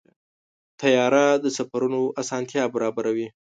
طیاره د سفرونو اسانتیا برابروي.